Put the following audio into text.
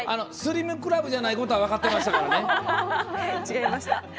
スリムクラブじゃないことは分かってましたからね。